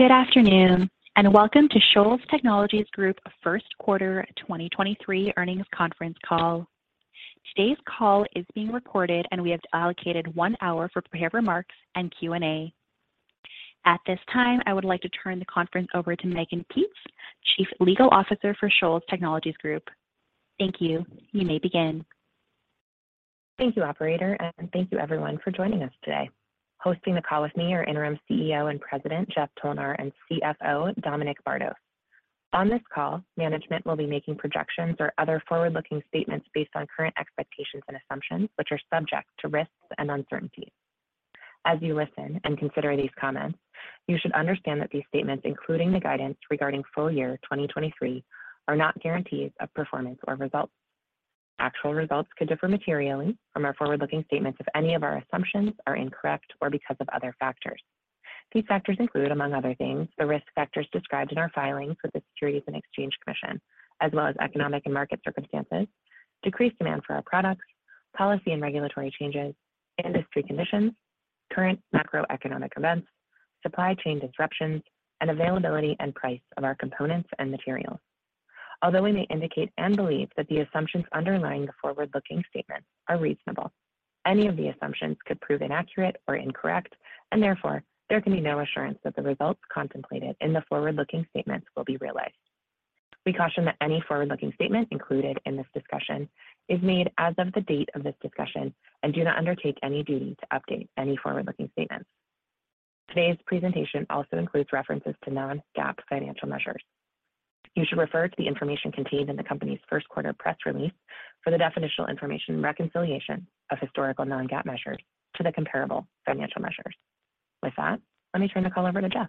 Good afternoon, and welcome to Shoals Technologies Group Q1 2023 Earnings Conference Call. Today's call is being recorded. We have allocated 1 hour for prepared remarks and Q&A. At this time, I would like to turn the conference over to Mehgan Peetz, Chief Legal Officer for Shoals Technologies Group. Thank you. You may begin. Thank you, operator, and thank you everyone for joining us today. Hosting the call with me are Interim CEO and President, Jeff Tolnar, and CFO, Dominic Bardos. On this call, management will be making projections or other forward-looking statements based on current expectations and assumptions, which are subject to risks and uncertainties. As you listen and consider these comments, you should understand that these statements, including the guidance regarding full year 2023, are not guarantees of performance or results. Actual results could differ materially from our forward-looking statements if any of our assumptions are incorrect or because of other factors. These factors include, among other things, the risk factors described in our filings with the Securities and Exchange Commission, as well as economic and market circumstances, decreased demand for our products, policy and regulatory changes, industry conditions, current macroeconomic events, supply chain disruptions, and availability and price of our components and materials. Although we may indicate and believe that the assumptions underlying the forward-looking statements are reasonable, any of the assumptions could prove inaccurate or incorrect, and therefore, there can be no assurance that the results contemplated in the forward-looking statements will be realized. We caution that any forward-looking statement included in this discussion is made as of the date of this discussion and do not undertake any duty to update any forward-looking statements. Today's presentation also includes references to non-GAAP financial measures. You should refer to the information contained in the company's Q1 press release for the definitional information reconciliation of historical non-GAAP measures to the comparable financial measures. With that, let me turn the call over to Jeff.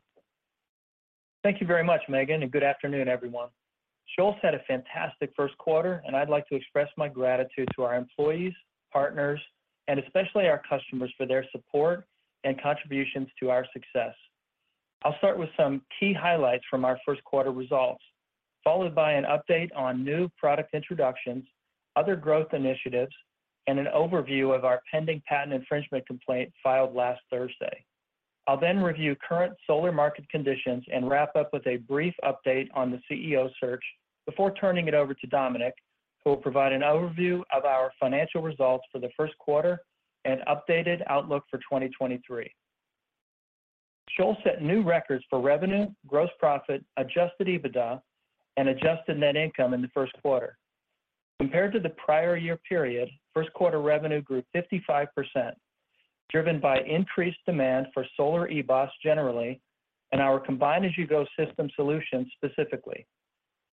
Thank you very much, Mehgan. Good afternoon, everyone. Shoals had a fantastic Q1. I'd like to express my gratitude to our employees, partners, and especially our customers for their support and contributions to our success. I'll start with some key highlights from our Q1 results, followed by an update on new product introductions, other growth initiatives, and an overview of our pending patent infringement complaint filed last Thursday. I'll then review current solar market conditions and wrap up with a brief update on the CEO search before turning it over to Dominic, who will provide an overview of our financial results for the Q1 and updated outlook for 2023. Shoals set new records for revenue, gross profit, Adjusted EBITDA, and adjusted net income in the Q1. Compared to the prior year period, Q1 revenue grew 55%, driven by increased demand for solar EBOS generally and our Combine As You Go system solutions specifically.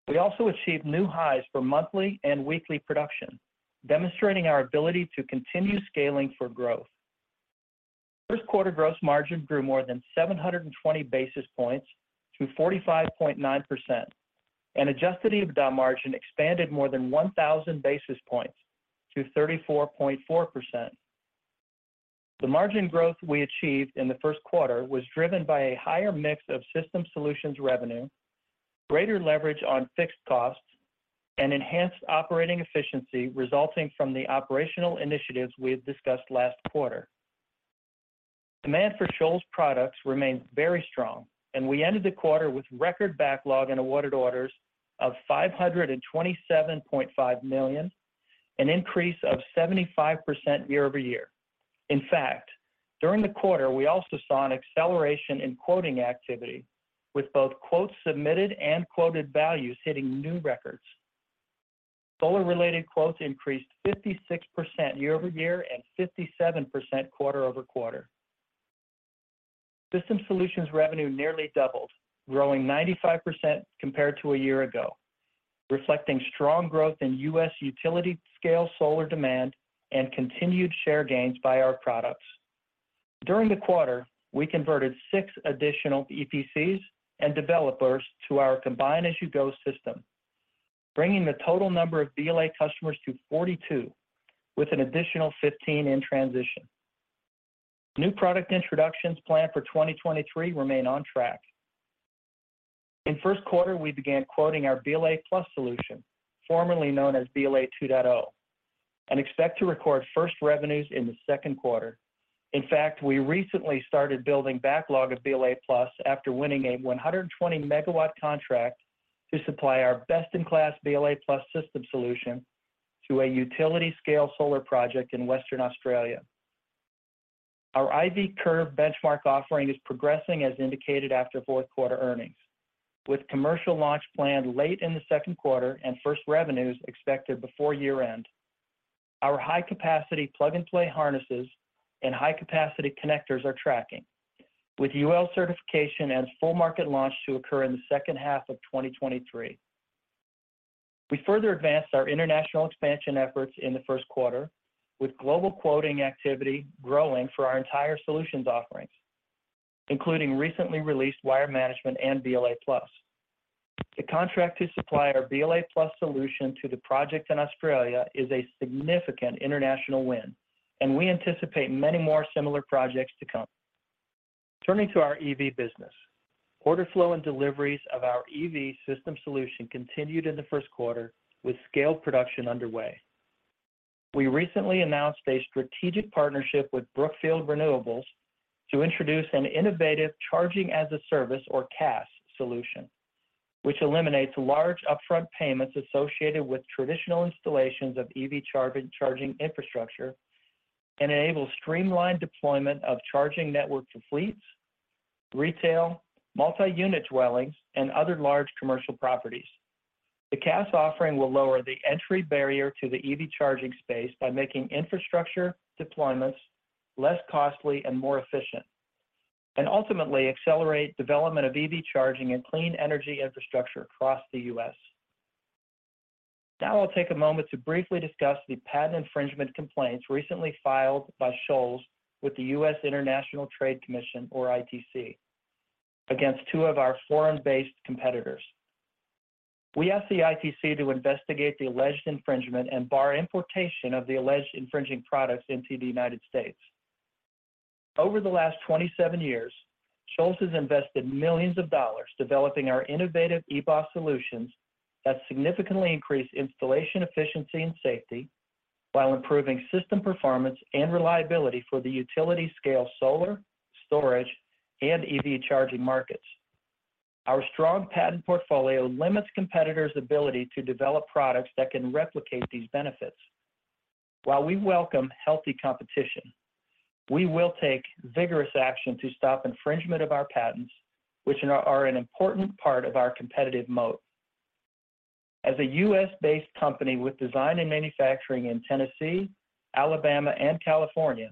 We also achieved new highs for monthly and weekly production, demonstrating our ability to continue scaling for growth. Q1 gross margin grew more than 720 basis points to 45.9%, and Adjusted EBITDA margin expanded more than 1,000 basis points to 34.4%. The margin growth we achieved in the Q1 was driven by a higher mix of system solutions revenue, greater leverage on fixed costs, and enhanced operating efficiency resulting from the operational initiatives we had discussed last quarter. Demand for Shoals products remains very strong. We ended the quarter with record backlog and awarded orders of $527.5 million, an increase of 75% year-over-year. In fact, during the quarter, we also saw an acceleration in quoting activity with both quotes submitted and quoted values hitting new records. Solar-related quotes increased 56% year-over-year and 57% quarter-over-quarter. System solutions revenue nearly doubled, growing 95% compared to a year ago, reflecting strong growth in U.S. utility-scale solar demand and continued share gains by our products. During the quarter, we converted 6 additional EPCs and developers to our Combine As You Go system, bringing the total number of BLA customers to 42, with an additional 15 in transition. New product introductions planned for 2023 remain on track. In Q1, we began quoting our BLA+ solution, formerly known as BLA 2.0, and expect to record first revenues in the Q2. In fact, we recently started building backlog of BLA+ after winning a 120 megawatt contract to supply our best-in-class BLA+ system solution to a utility scale solar project in Western Australia. Our IV curve benchmark offering is progressing as indicated after Q4 earnings, with commercial launch planned late in the Q2 and first revenues expected before year-end. Our high-capacity plug-and-play harnesses and high-capacity connectors are tracking, with UL certification and full market launch to occur in the H2 of 2023. We further advanced our international expansion efforts in the Q1 with global quoting activity growing for our entire solutions offerings, including recently released wire management and BLA+. The contract to supply our BLA+ solution to the project in Australia is a significant international win, and we anticipate many more similar projects to come. Turning to our EV business. Order flow and deliveries of our EV system solution continued in the Q1 with scaled production underway. We recently announced a strategic partnership with Brookfield Renewables to introduce an innovative Charging as a Service or CaaS solution, which eliminates large upfront payments associated with traditional installations of EV charging infrastructure and enables streamlined deployment of charging networks for fleets, retail, multi-unit dwellings and other large commercial properties. The CaaS offering will lower the entry barrier to the EV charging space by making infrastructure deployments less costly and more efficient, and ultimately accelerate development of EV charging and clean energy infrastructure across the U.S. Now I'll take a moment to briefly discuss the patent infringement complaints recently filed by Shoals with the U.S. International Trade Commission, or ITC, against two of our foreign-based competitors. We asked the ITC to investigate the alleged infringement and bar importation of the alleged infringing products into the United States. Over the last 27 years, Shoals has invested millions of dollars developing our innovative EBOS solutions that significantly increase installation efficiency and safety while improving system performance and reliability for the utility-scale solar, storage and EV charging markets. Our strong patent portfolio limits competitors' ability to develop products that can replicate these benefits. While we welcome healthy competition, we will take vigorous action to stop infringement of our patents, which are an important part of our competitive moat. As a U.S.-based company with design and manufacturing in Tennessee, Alabama and California,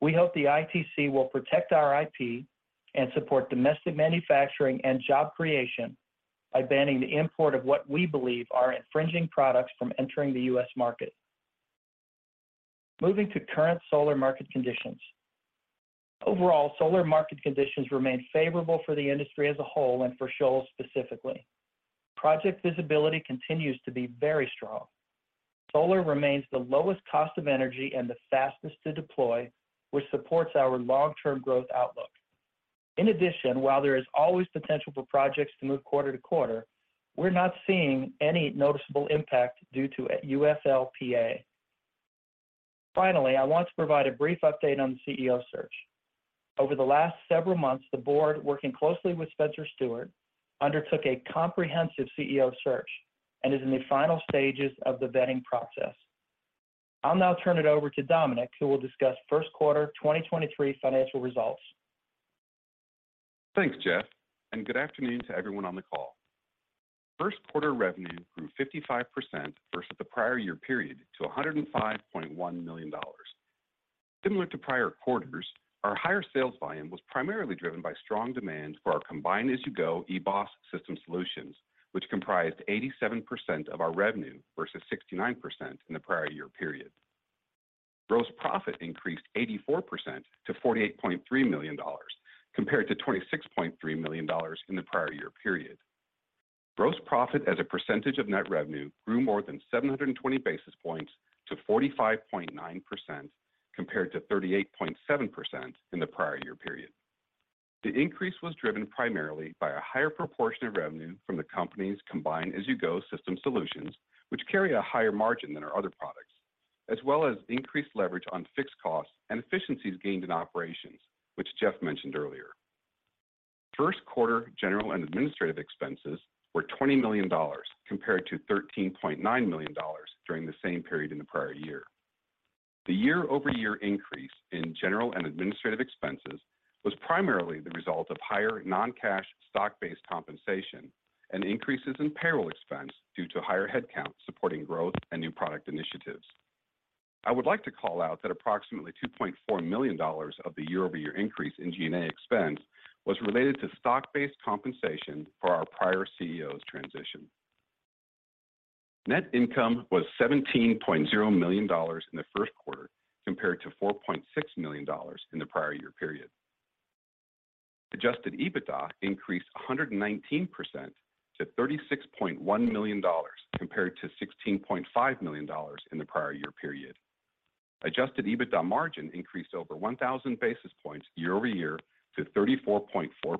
we hope the ITC will protect our IP and support domestic manufacturing and job creation by banning the import of what we believe are infringing products from entering the U.S. market. Moving to current solar market conditions. Solar market conditions remain favorable for the industry as a whole and for Shoals specifically. Project visibility continues to be very strong. Solar remains the lowest cost of energy and the fastest to deploy, which supports our long-term growth outlook. While there is always potential for projects to move quarter-to-quarter, we're not seeing any noticeable impact due to UFLPA. I want to provide a brief update on the CEO search. Over the last several months, the board, working closely with Spencer Stuart, undertook a comprehensive CEO search and is in the final stages of the vetting process. I'll now turn it over to Dominic, who will discuss Q1 2023 financial results. Thanks, Jeff. Good afternoon to everyone on the call. Q1 revenue grew 55% versus the prior year period to $105.1 million. Similar to prior quarters, our higher sales volume was primarily driven by strong demand for our Combine As You Go EBOS system solutions, which comprised 87% of our revenue versus 69% in the prior year period. Gross profit increased 84%-$48.3 million, compared to $26.3 million in the prior year period. Gross profit as a percentage of net revenue grew more than 720 basis points to 45.9%, compared to 38.7% in the prior year period. The increase was driven primarily by a higher proportion of revenue from the company's Combined As-You-Go system solutions, which carry a higher margin than our other products, as well as increased leverage on fixed costs and efficiencies gained in operations, which Jeff mentioned earlier. Q1 general and administrative expenses were $20 million compared to $13.9 million during the same period in the prior year. The year-over-year increase in general and administrative expenses was primarily the result of higher non-cash stock-based compensation and increases in payroll expense due to higher headcount supporting growth and new product initiatives. I would like to call out that approximately $2.4 million of the year-over-year increase in G&A expense was related to stock-based compensation for our prior CEO's transition. Net income was $17.0 million in the Q1, compared to $4.6 million in the prior year period. Adjusted EBITDA increased 119%-$36.1 million, compared to $16.5 million in the prior year period. Adjusted EBITDA margin increased over 1,000 basis points year-over-year to 34.4%,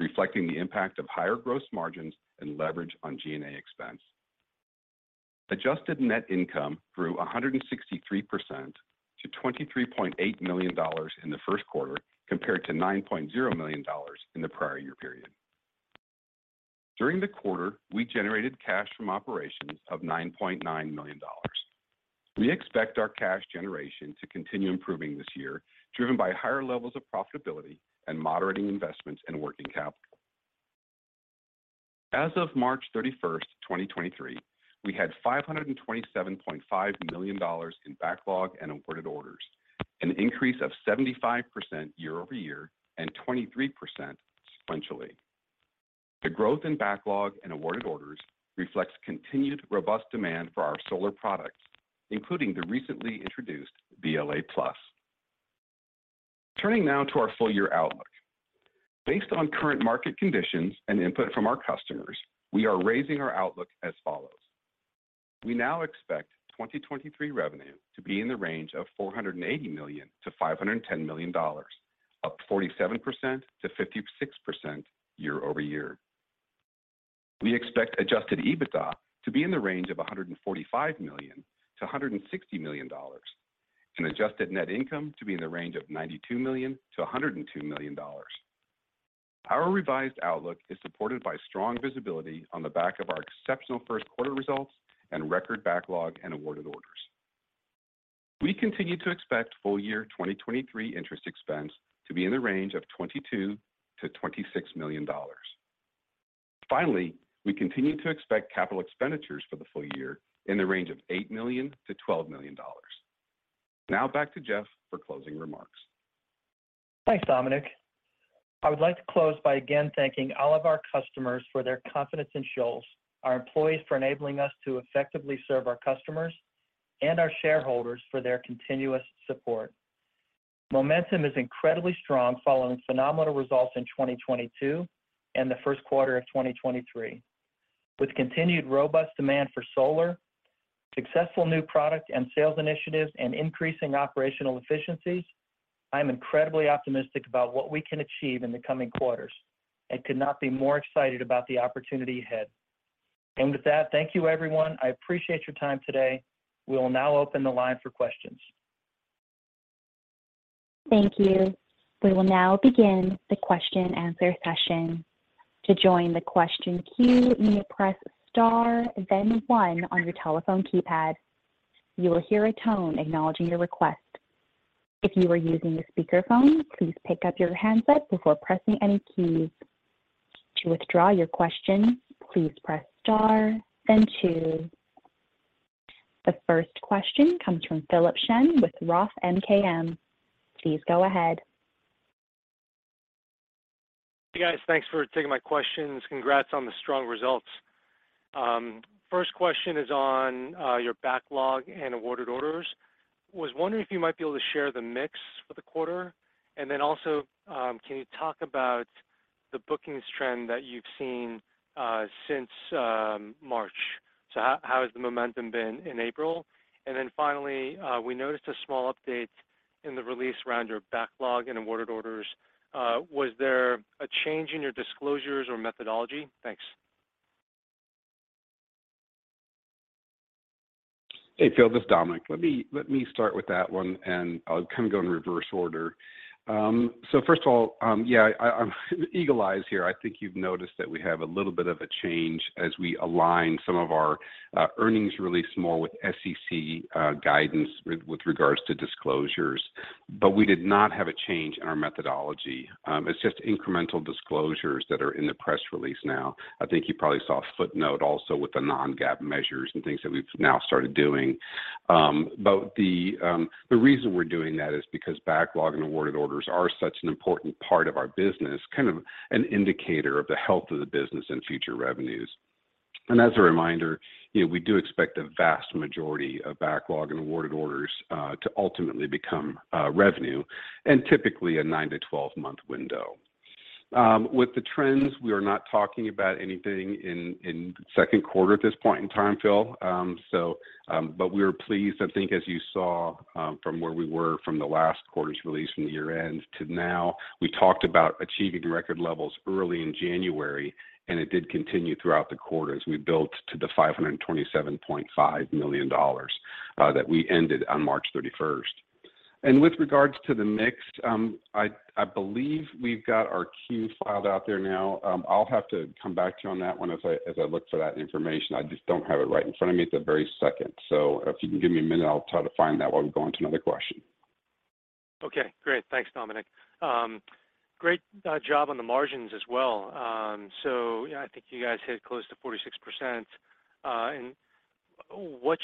reflecting the impact of higher gross margins and leverage on G&A expense. Adjusted net income grew 163% - $23.8 million in the Q1, compared to $9.0 million in the prior year period. During the quarter, we generated cash from operations of $9.9 million. We expect our cash generation to continue improving this year, driven by higher levels of profitability and moderating investments in working capital. As of March 31, 2023, we had $527.5 million in backlog and awarded orders, an increase of 75% year-over-year and 23% sequentially. The growth in backlog and awarded orders reflects continued robust demand for our solar products, including the recently introduced VLA Plus. Turning now to our full year outlook. Based on current market conditions and input from our customers, we are raising our outlook as follows. We now expect 2023 revenue to be in the range of $480 million-$510 million, up 47%-56% year-over-year. We expect Adjusted EBITDA to be in the range of $145 million-$160 million, and adjusted net income to be in the range of $92 million-$102 million. Our revised outlook is supported by strong visibility on the back of our exceptional Q1 results and record backlog and awarded orders. We continue to expect full year 2023 interest expense to be in the range of $22 million-$26 million. We continue to expect capital expenditures for the full year in the range of $8 million-$12 million. Back to Jeff for closing remarks. Thanks, Dominic. I would like to close by again thanking all of our customers for their confidence in Shoals, our employees for enabling us to effectively serve our customers, and our shareholders for their continuous support. Momentum is incredibly strong following phenomenal results in 2022 and the Q1 of 2023. With continued robust demand for solar, successful new product and sales initiatives, and increasing operational efficiencies, I am incredibly optimistic about what we can achieve in the coming quarters and could not be more excited about the opportunity ahead. With that, thank you everyone. I appreciate your time today. We will now open the line for questions. Thank you. We will now begin the question answer session. To join the question queue, you may press star then one on your telephone keypad. You will hear a tone acknowledging your request. If you are using a speakerphone, please pick up your handset before pressing any keys. To withdraw your question, please press star then two. The first question comes from Philip Shen with Roth MKM. Please go ahead. Hey, guys. Thanks for taking my questions. Congrats on the strong results. First question is on your backlog and awarded orders. Was wondering if you might be able to share the mix for the quarter. Also, can you talk about the bookings trend that you've seen since March? How has the momentum been in April? Finally, we noticed a small update in the release around your backlog and awarded orders. Was there a change in your disclosures or methodology? Thanks. Hey, Philip. This is Dominic. Let me start with that one, and I'll kind of go in reverse order. First of all, yeah, I eagle eyes here. I think you've noticed that we have a little bit of a change as we align some of our earnings release more with SEC guidance with regards to disclosures. We did not have a change in our methodology. It's just incremental disclosures that are in the press release now. I think you probably saw a footnote also with the non-GAAP measures and things that we've now started doing. The reason we're doing that is because backlog and awarded orders are such an important part of our business, kind of an indicator of the health of the business and future revenues. As a reminder, you know, we do expect a vast majority of backlog and awarded orders to ultimately become revenue in typically a 9-12 month window. With the trends, we are not talking about anything in Q2 at this point in time, Phil. We're pleased, I think as you saw, from where we were from the last quarter's release from the year-end to now, we talked about achieving record levels early in January, and it did continue throughout the quarter as we built to $527.5 million that we ended on March 31st. With regards to the mix, I believe we've got our Q filed out there now. I'll have to come back to you on that one as I look for that information. I just don't have it right in front of me at the very second. If you can give me a minute, I'll try to find that while we go on to another question. Okay, great. Thanks, Dominic. Great job on the margins as well. Yeah, I think you guys hit close to 46%. What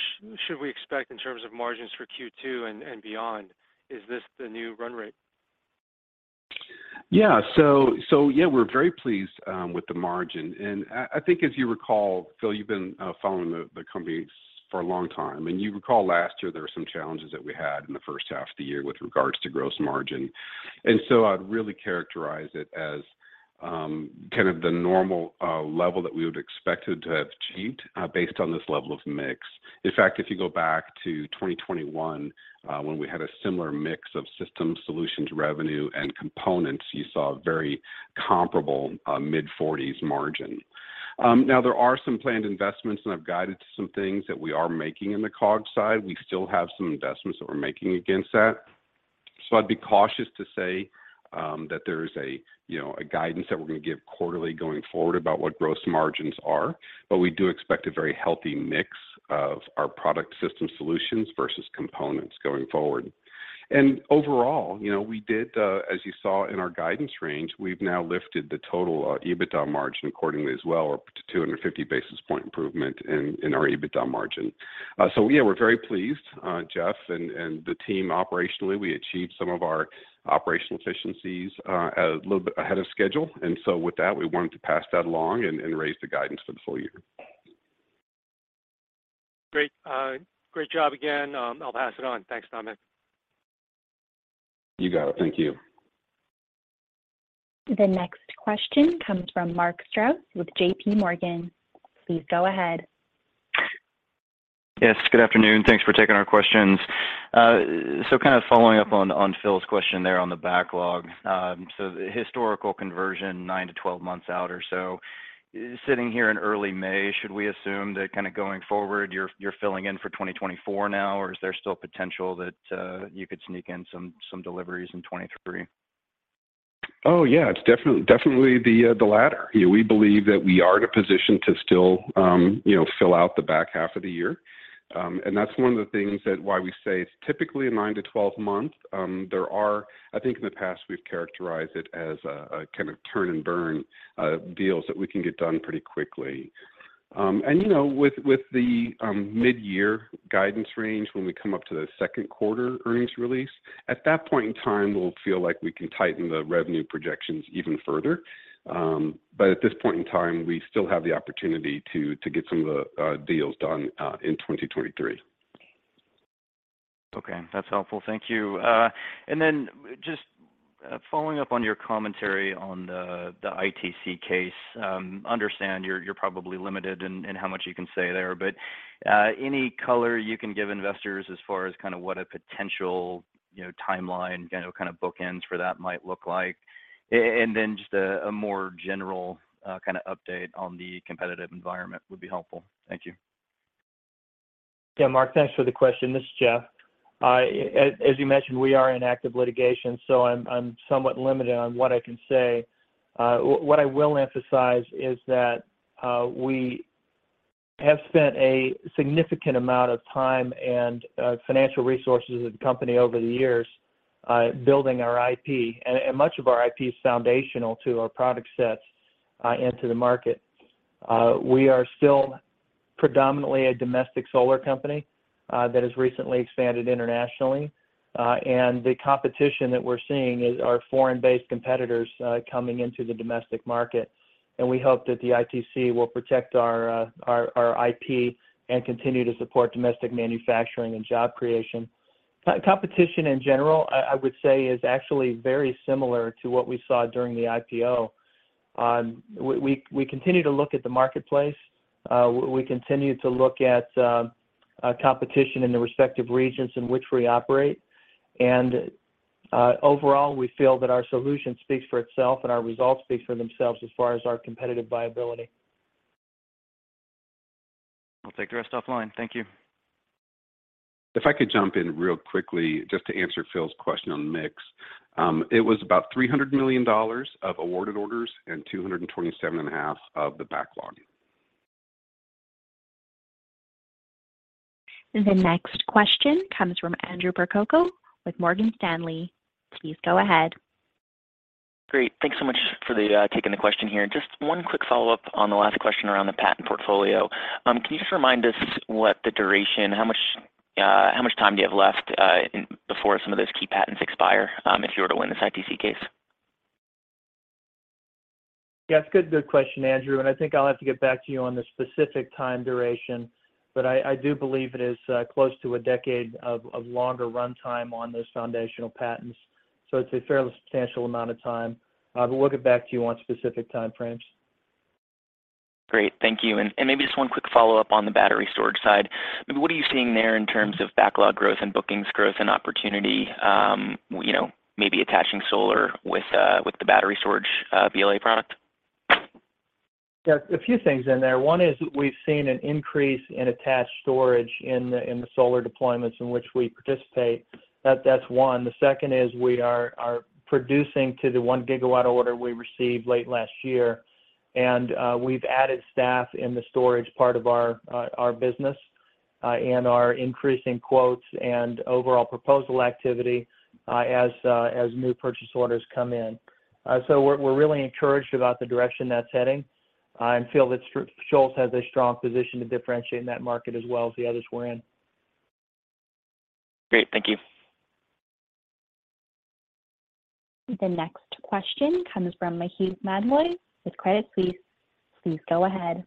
should we expect in terms of margins for Q2 and beyond? Is this the new run rate? We're very pleased with the margin. I think as you recall, Philip Shen, you've been following the company for a long time, and you recall last year there were some challenges that we had in the H1 of the year with regards to gross margin. I'd really characterize it as kind of the normal level that we would expected to have achieved based on this level of mix. In fact, if you go back to 2021, when we had a similar mix of system solutions revenue and components, you saw a very comparable mid-forties margin. Now there are some planned investments, and I've guided to some things that we are making in the COGS side. We still have some investments that we're making against that. I'd be cautious to say, you know, that there is a guidance that we're gonna give quarterly going forward about what gross margins are, but we do expect a very healthy mix of our product system solutions versus components going forward. Overall, you know, we did, as you saw in our guidance range, we've now lifted the total EBITDA margin accordingly as well to 250 basis point improvement in our EBITDA margin. Yeah, we're very pleased, Jeff and the team operationally. We achieved some of our operational efficiencies a little bit ahead of schedule, and so with that, we wanted to pass that along and raise the guidance for the full year. Great. great job again. I'll pass it on. Thanks, Dominic. You got it. Thank you. The next question comes from Mark Strouse with JP Morgan. Please go ahead. Yes, good afternoon. Thanks for taking our questions. kind of following up on Phil's question there on the backlog. The historical conversion, 9-12 months out or so. Sitting here in early May, should we assume that kinda going forward, you're filling in for 2024 now, or is there still potential that you could sneak in some deliveries in 2023? Oh, yeah, it's definitely the latter. Yeah, we believe that we are in a position to still, you know, fill out the back half of the year. That's one of the things that why we say it's typically 9-12 months. There are I think in the past we've characterized it as a kind of turn-and-burn deals that we can get done pretty quickly. You know, with the mid-year guidance range, when we come up to the Q2 earnings release, at that point in time, we'll feel like we can tighten the revenue projections even further. At this point in time, we still have the opportunity to get some of the deals done in 2023. Okay, that's helpful. Thank you. Then just following up on the ITC case, understand you're probably limited in how much you can say there, but any color you can give investors as far as kind of what a potential, you know, timeline, you know, kind of bookends for that might look like? Then just a more general, kind of update on the competitive environment would be helpful. Thank you. Yeah, Mark, thanks for the question. This is Jeff. As you mentioned, we are in active litigation, so I'm somewhat limited on what I can say. What I will emphasize is that we have spent a significant amount of time and financial resources of the company over the years building our IP, and much of our IP is foundational to our product sets and to the market. We are still predominantly a domestic solar company that has recently expanded internationally. The competition that we're seeing is our foreign-based competitors coming into the domestic market. We hope that the ITC will protect our IP and continue to support domestic manufacturing and job creation. Co-competition in general, I would say, is actually very similar to what we saw during the IPO. We continue to look at the marketplace. We continue to look at competition in the respective regions in which we operate. Overall, we feel that our solution speaks for itself and our results speak for themselves as far as our competitive viability. I'll take the rest offline. Thank you. If I could jump in real quickly just to answer Phil's question on mix. It was about $300 million of awarded orders and $227.5 of the backlog. The next question comes from Andrew Percoco with Morgan Stanley. Please go ahead. Great. Thanks so much for taking the question here. Just 1 quick follow-up on the last question around the patent portfolio. Can you just remind us what the duration, how much time do you have left before some of those key patents expire, if you were to win this ITC case? Yeah, it's a good question, Andrew. I think I'll have to get back to you on the specific time duration. I do believe it is close to a decade of longer runtime on those foundational patents. It's a fairly substantial amount of time. We'll get back to you on specific time frames. Great. Thank you. Maybe just one quick follow-up on the battery storage side. What are you seeing there in terms of backlog growth and bookings growth and opportunity, you know, maybe attaching solar with the battery storage BLA product? Yeah. A few things in there. One is we've seen an increase in attached storage in the solar deployments in which we participate. That's one. The second is we are producing to the 1 gigawatt order we received late last year. We've added staff in the storage part of our business and are increasing quotes and overall proposal activity as new purchase orders come in. We're really encouraged about the direction that's heading and feel that Shoals has a strong position to differentiate in that market as well as the others we're in. Great. Thank you. The next question comes from Maheep Mandloi with Credit Suisse. Please go ahead.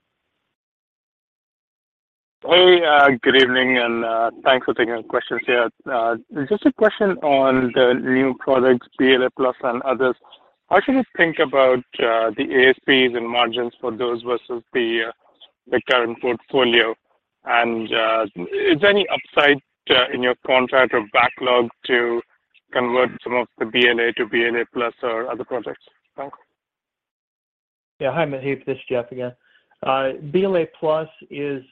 Hey, good evening, and thanks for taking the questions here. Just a question on the new products, BLA+ and others. How should we think about the ASPs and margins for those versus the current portfolio? Is any upside in your contract or backlog to convert some of the BLA to BLA+ or other projects? Thanks. Yeah. Hi, Maheep, this is Jeff again. BLA+ is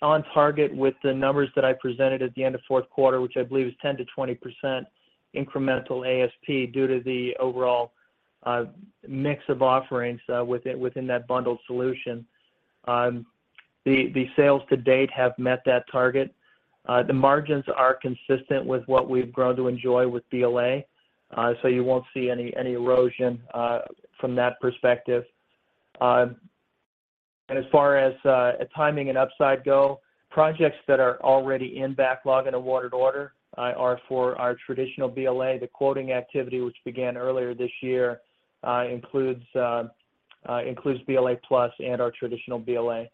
on target with the numbers that I presented at the end of Q4, which I believe is 10%-20% incremental ASP due to the overall mix of offerings within that bundled solution. The sales to date have met that target. The margins are consistent with what we've grown to enjoy with BLA, you won't see any erosion from that perspective. As far as timing and upside go, projects that are already in backlog and awarded order are for our traditional BLA. The quoting activity which began earlier this year includes BLA+ and our traditional BLA.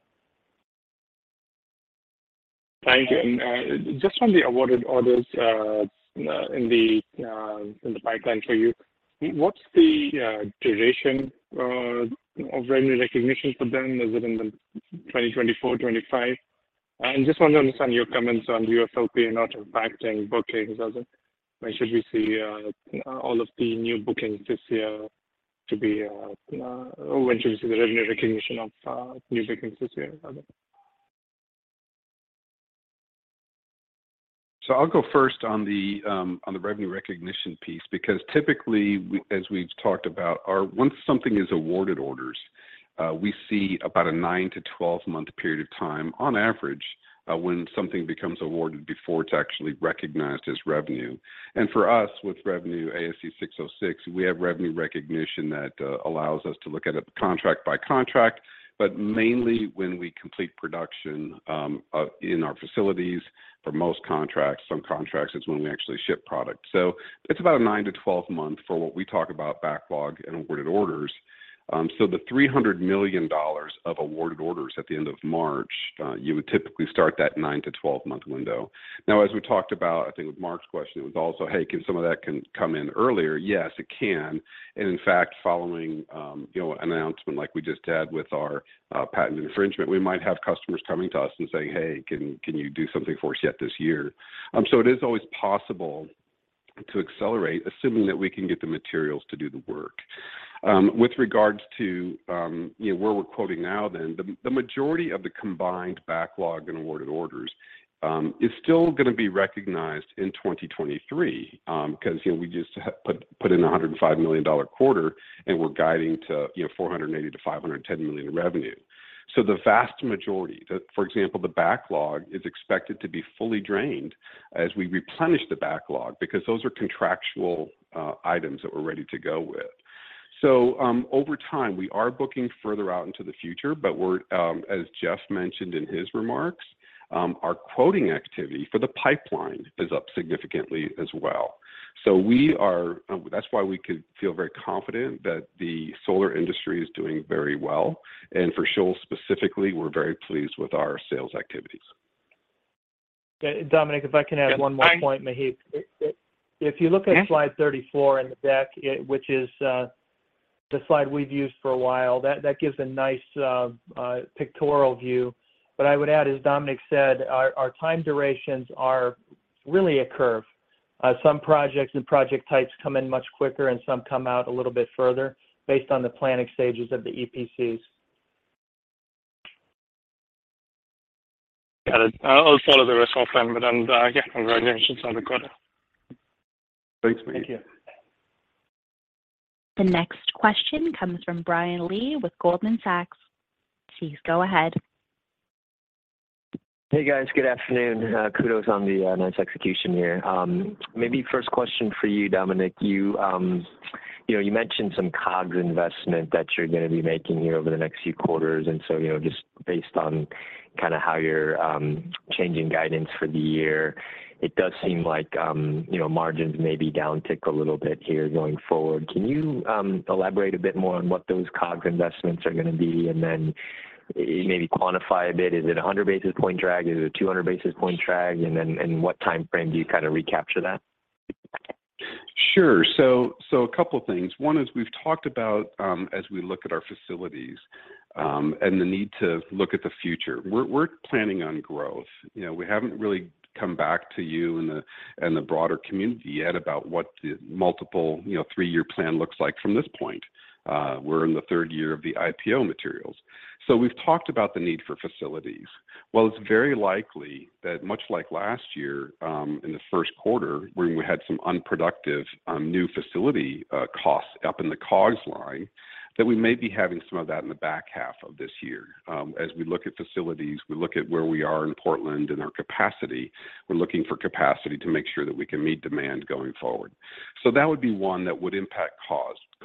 Thank you. Just on the awarded orders in the in the pipeline for you? What's the duration of revenue recognition for them? Is it in 2024, 2025? I just want to understand your comments on USOP not impacting bookings as in when should we see all of the new bookings this year to be or when should we see the revenue recognition of new bookings this year? I'll go first on the revenue recognition piece because typically as we've talked about our once something is awarded orders, we see about a 9-12 month period of time on average when something becomes awarded before it's actually recognized as revenue. For us, with revenue ASC 606, we have revenue recognition that allows us to look at it contract by contract, but mainly when we complete production in our facilities for most contracts. Some contracts, it's when we actually ship product. It's about a 9-12 month for what we talk about backlog and awarded orders. The $300 million of awarded orders at the end of March, you would typically start that 9-12 month window. As we talked about, I think with Mark's question, it was also, hey, can some of that come in earlier? Yes, it can. In fact, following, you know, an announcement like we just had with our patent infringement, we might have customers coming to us and saying, "Hey, can you do something for us yet this year?" It is always possible to accelerate assuming that we can get the materials to do the work. With regards to, you know, where we're quoting now then, the majority of the combined backlog and awarded orders is still gonna be recognized in 2023, 'cause, you know, we just put in a $105 million quarter, we're guiding to, you know, $480 million-$510 million in revenue. The vast majority, the, for example, the backlog is expected to be fully drained as we replenish the backlog because those are contractual items that we're ready to go with. Over time, we are booking further out into the future, but we're, as Jeff mentioned in his remarks, our quoting activity for the pipeline is up significantly as well. That's why we could feel very confident that the solar industry is doing very well. For Shoals specifically, we're very pleased with our sales activities. Dominic, if I can add one more point, Maheep. Yeah. If you look at slide 34 in the deck, which is the slide we've used for a while, that gives a nice pictorial view. I would add, as Dominic said, our time durations are really a curve. Some projects and project types come in much quicker, and some come out a little bit further based on the planning stages of the EPCs. Got it. I'll follow the rest offline. Yeah, congratulations on the quarter. Thanks. Thank you. The next question comes from Brian Lee with Goldman Sachs. Please go ahead. Hey, guys. Good afternoon. Kudos on the nice execution here. Maybe first question for you, Dominic. You, you know, you mentioned some COGS investment that you're gonna be making here over the next few quarters. You know, just based on kinda how you're changing guidance for the year, it does seem like, you know, margins may be downticked a little bit here going forward. Can you elaborate a bit more on what those COGS investments are gonna be? Maybe quantify a bit, is it a 100 basis point drag? Is it a 200 basis point drag? In what timeframe do you kinda recapture that? Sure. A couple things. One is we've talked about, as we look at our facilities, and the need to look at the future. We're planning on growth. You know, we haven't really come back to you and the broader community yet about what the multiple, you know, 3-year plan looks like from this point. We're in the 3rd year of the IPO materials. We've talked about the need for facilities. While it's very likely that much like last year, in the 1st quarter, when we had some unproductive, new facility, costs up in the COGS line, that we may be having some of that in the back half of this year. As we look at facilities, we look at where we are in Portland and our capacity. We're looking for capacity to make sure that we can meet demand going forward. That would be one that would impact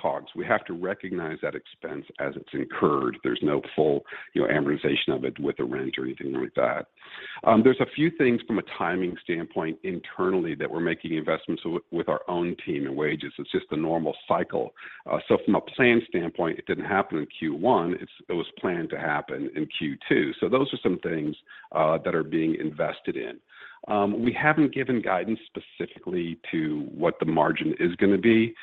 COGS. We have to recognize that expense as it's incurred. There's no full, you know, amortization of it with a rent or anything like that. There's a few things from a timing standpoint internally that we're making investments with our own team and wages. It's just a normal cycle. From a plan standpoint, it didn't happen in Q1. It was planned to happen in Q2. Those are some things that are being invested in. We haven't given guidance specifically to what the margin is gonna be,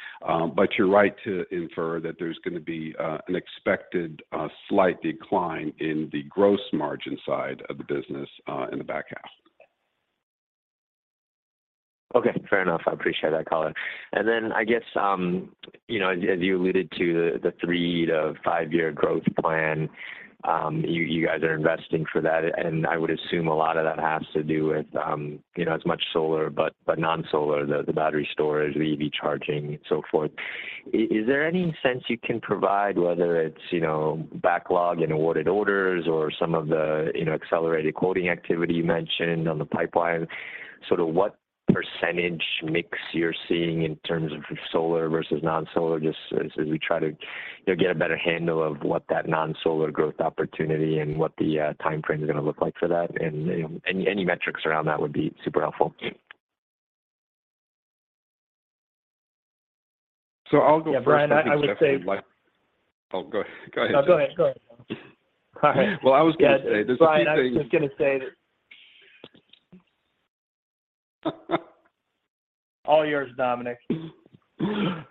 you're right to infer that there's gonna be an expected slight decline in the gross margin side of the business in the back half. Okay. Fair enough. I appreciate that color. Then I guess, you know, as you alluded to the 3 to 5-year growth plan, you guys are investing for that. I would assume a lot of that has to do with, you know, as much solar but non-solar, the battery storage, the EV charging, so forth. Is there any sense you can provide whether it's, you know, backlog and awarded orders or some of the, you know, accelerated quoting activity you mentioned on the pipeline, sort of what % mix you're seeing in terms of solar versus non-solar, just as we try to, you know, get a better handle of what that non-solar growth opportunity and what the timeframe is gonna look like for that? You know, any metrics around that would be super helpful. I'll go first. Yeah, Brian, I would say. Oh, go ahead. No, go ahead. Go ahead. All right. Well, I was gonna say there's a few things... Brian, I was just gonna say that. All yours, Dominic.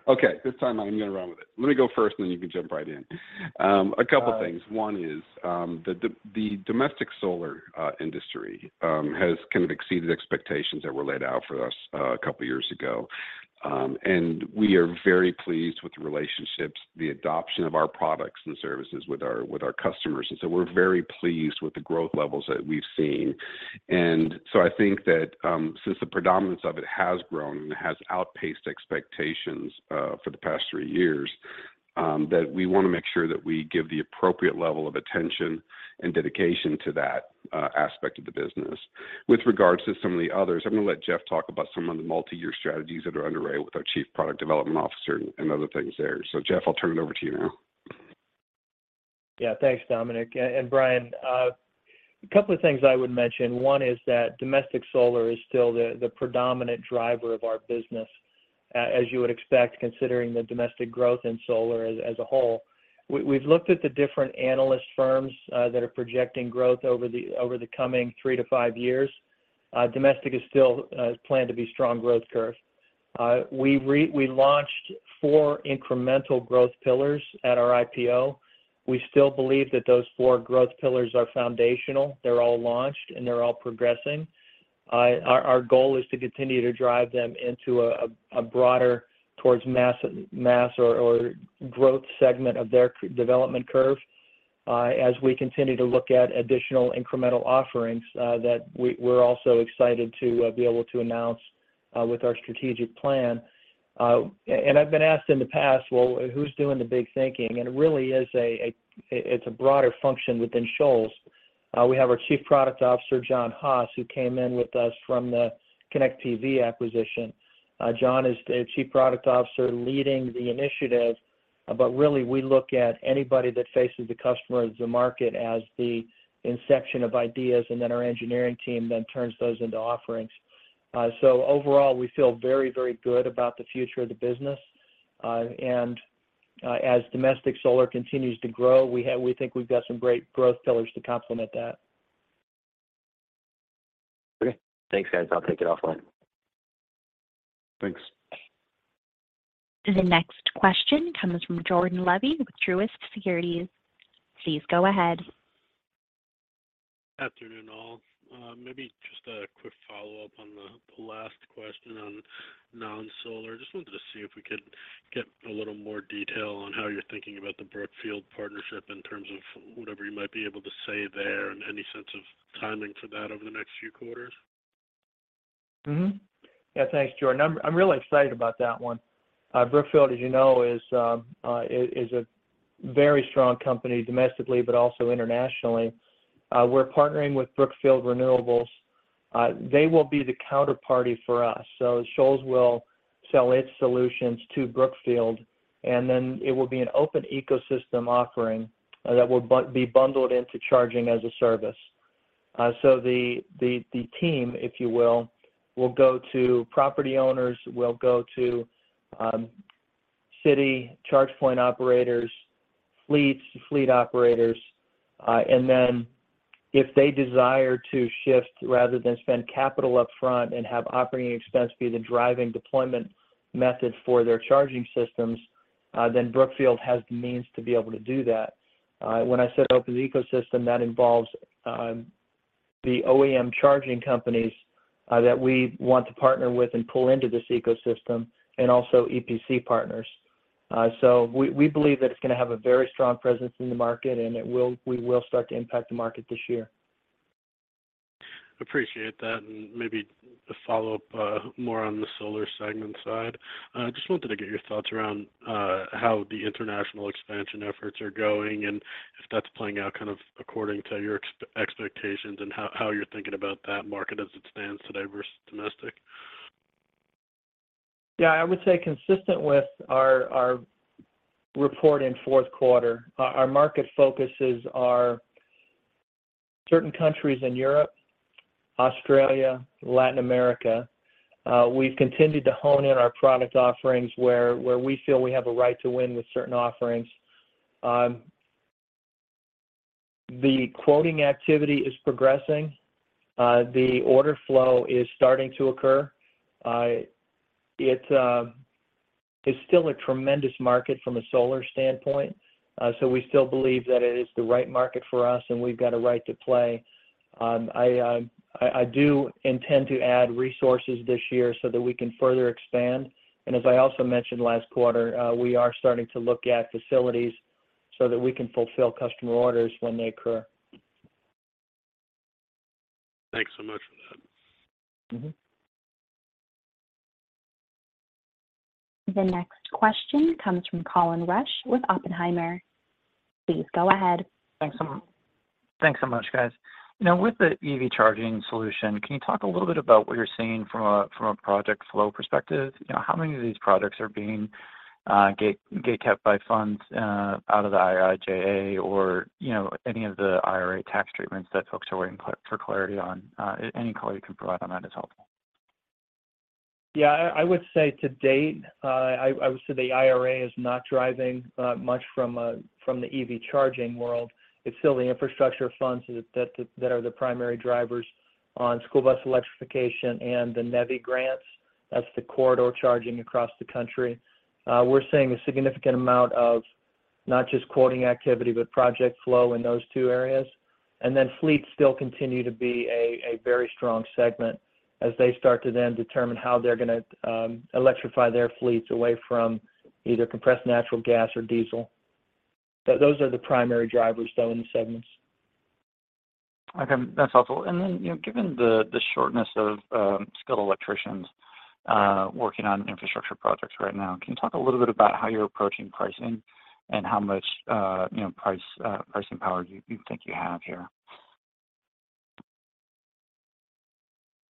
Okay, this time I'm gonna run with it. Let me go first, and then you can jump right in. A couple things. One is, the domestic solar industry has kind of exceeded expectations that were laid out for us a couple years ago. We are very pleased with the relationships, the adoption of our products and services with our customers. We're very pleased with the growth levels that we've seen. I think that, since the predominance of it has grown and has outpaced expectations for the past 3 years, that we wanna make sure that we give the appropriate level of attention and dedication to that aspect of the business. With regards to some of the others, I'm gonna let Jeff talk about some of the multi-year strategies that are underway with our chief product development officer and other things there. Jeff, I'll turn it over to you now. Yeah. Thanks, Dominic and Brian. A couple of things I would mention. One is that domestic solar is still the predominant driver of our business as you would expect, considering the domestic growth in solar as a whole. We've looked at the different analyst firms that are projecting growth over the coming three to 5 years. Domestic is still planned to be strong growth curve. We launched four incremental growth pillars at our IPO. We still believe that those four growth pillars are foundational. They're all launched, and they're all progressing. Our goal is to continue to drive them into a broader towards mass or growth segment of their development curve, as we continue to look at additional incremental offerings, that we're also excited to be able to announce with our strategic plan. I've been asked in the past, "Well, who's doing the big thinking?" It really is a, it's a broader function within Shoals. We have our Chief Product Officer, John Haas, who came in with us from the ConnectPV acquisition. John is the chief product officer leading the initiative, but really we look at anybody that faces the customer, the market as the inception of ideas, and then our engineering team then turns those into offerings. Overall, we feel very good about the future of the business. As domestic solar continues to grow, we think we've got some great growth pillars to complement that. Okay. Thanks, guys. I'll take it offline. Thanks. The next question comes from Jordan Levy with Truist Securities. Please go ahead. Afternoon, all. Maybe just a quick follow-up on the last question on non-solar. Wanted to see if we could get a little more detail on how you're thinking about the Brookfield partnership in terms of whatever you might be able to say there and any sense of timing for that over the next few quarters. Yeah. Thanks, Jordan. I'm really excited about that one. Brookfield, as you know, is a very strong company domestically but also internationally. We're partnering with Brookfield Renewables. They will be the counterparty for us. So Shoals will sell its solutions to Brookfield, and then it will be an open ecosystem offering that will be bundled into Charging as a Service. So the team, if you will go to property owners, will go to city charge point operators, fleets, fleet operators. And then if they desire to shift rather than spend capital up front and have operating expense be the driving deployment method for their charging systems, then Brookfield has the means to be able to do that. When I said open ecosystem, that involves the OEM charging companies that we want to partner with and pull into this ecosystem and also EPC partners. We, we believe that it's gonna have a very strong presence in the market, and we will start to impact the market this year. Appreciate that. Maybe a follow-up, more on the solar segment side, just wanted to get your thoughts around how the international expansion efforts are going and if that's playing out kind of according to your expectations and how you're thinking about that market as it stands today versus domestic? I would say consistent with our report in Q4, our market focuses are certain countries in Europe, Australia, Latin America. We've continued to hone in our product offerings where we feel we have a right to win with certain offerings. The quoting activity is progressing. The order flow is starting to occur. It's still a tremendous market from a solar standpoint, so we still believe that it is the right market for us, and we've got a right to play. I do intend to add resources this year so that we can further expand. As I also mentioned last quarter, we are starting to look at facilities so that we can fulfill customer orders when they occur. Thanks so much for that The next question comes from Colin Rusch with Oppenheimer. Please go ahead. Thanks so much. Thanks so much, guys. With the EV charging solution, can you talk a little bit about what you're seeing from a project flow perspective? You know, how many of these projects are being gate kept by funds, out of the IIJA or, you know, any of the IRA tax treatments that folks are waiting for clarity on? Any clarity you can provide on that is helpful. Yeah, I would say to date, I would say the IRA is not driving much from the EV charging world. It's still the infrastructure funds that are the primary drivers on school bus electrification and the NEVI grants. That's the corridor charging across the country. We're seeing a significant amount of not just quoting activity, but project flow in those two areas. Fleets still continue to be a very strong segment as they start to then determine how they're gonna electrify their fleets away from either compressed natural gas or diesel. Those are the primary drivers, though, in the segments. Okay. That's helpful. You know, given the shortness of skilled electricians working on infrastructure projects right now, can you talk a little bit about how you're approaching pricing and how much, you know, pricing power you think you have here?